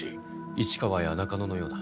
市川や中野のような？